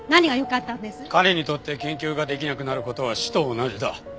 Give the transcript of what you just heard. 彼にとって研究ができなくなる事は死と同じだ。